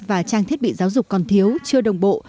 và trang thiết bị giáo dục còn thiếu chưa đồng bộ